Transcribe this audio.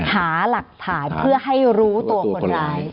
หาหลักฐานเพื่อให้รู้ตัวคนร้าย